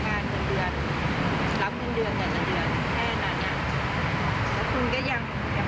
แล้วคุณก็ยังอย่ามาเอาเผียบเรา